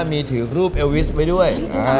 มีถือรูปเอลวิสไว้ด้วย